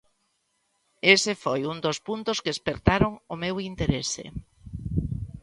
Ese foi un dos puntos que espertaron o meu interese.